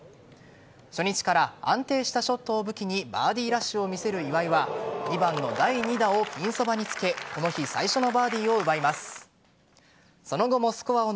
初日から安定したショットを武器にバーディーラッシュを見せる岩井は２番の第２打をピンそばにつけ奇跡の生還です。